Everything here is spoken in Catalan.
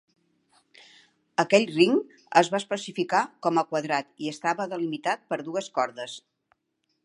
Aquell ring es va especificar com a quadrat i estava delimitat per dues cordes.